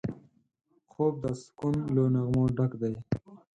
خوب د سکون له نغمو ډک دی